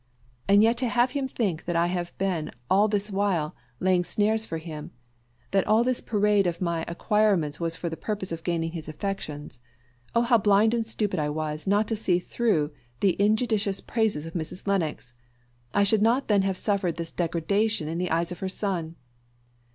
And yet to have him think that I have all this while been laying snares for him that all this parade of my acquirements was for the purpose of gaining his affections! Oh how blind and stupid I was not to see through the injudicious praises of Mrs. Lennox! I should not then have suffered this degradation in the eyes of her son!"